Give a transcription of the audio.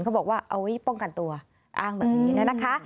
เขาบอกว่าป้องกันตัวอ้างแบบนี้